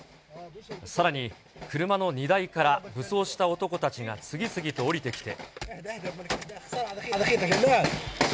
さらに、車の荷台から武装した男たちが次々と降りてきて。